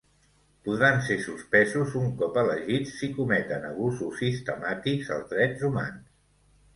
Podran ser suspesos un cop elegits si cometen abusos sistemàtics als drets humans.